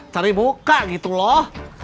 cari muka gitu loh